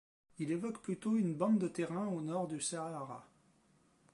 Il évoque plutôt une bande de terrain au nord du Sahara.